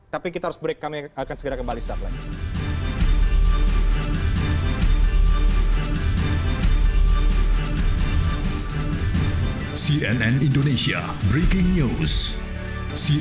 tapi kita harus break kami akan segera kembali saat lain